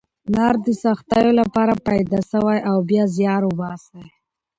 نر د سختیو لپاره پیدا سوی او باید زیار وباسئ.